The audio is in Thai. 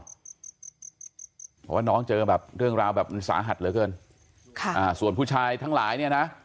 เพราะว่าน้องเจอแบบเรื่องราวแบบมันสาหัสเหลือเกินค่ะอ่าส่วนผู้ชายทั้งหลายเนี่ยนะ